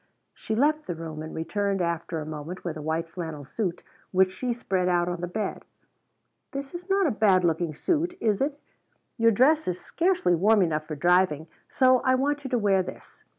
She left the room and returned after a moment with a white flannel suit which she spread out on the bed. "This is not a bad looking suit, is it? Your dress is scarcely warm enough for driving, so I want you to wear this.